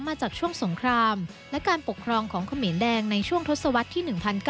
มาจากช่วงสงครามและการปกครองของเขมรแดงในช่วงทศวรรษที่๑๙